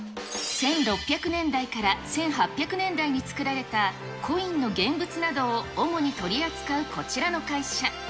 １６００年代から１８００年代に作られた、コインの現物などを主に取り扱うこちらの会社。